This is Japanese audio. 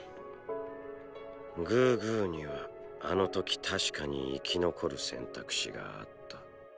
グーグーにはあの時確かに生き残る選択肢があった。